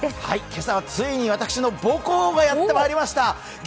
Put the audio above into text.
今朝はついに私の母校がやってきました。